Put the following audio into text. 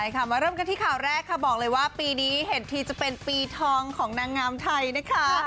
มาเริ่มกันที่ข่าวแรกค่ะบอกเลยว่าปีนี้เห็นทีจะเป็นปีทองของนางงามไทยนะคะ